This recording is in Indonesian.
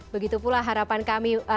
begitu pula harapan kami